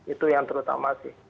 itu yang terutama sih